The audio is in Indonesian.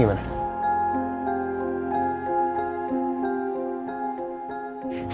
aku mau nganterin sekalian gimana